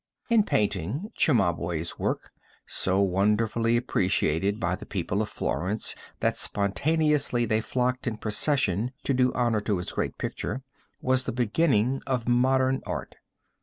In painting, Cimabue's work, so wonderfully appreciated by the people of Florence that spontaneously they flocked in procession to do honor to his great picture, was the beginning of modern art.